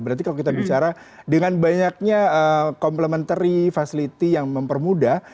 berarti kalau kita bicara dengan banyaknya complementary facility yang mempermudah